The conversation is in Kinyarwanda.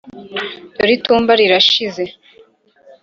Dore itumba rirashize,